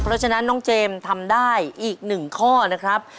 เพราะฉะนั้นน้องเจมส์ทำได้อีก๑ข้อนะครับ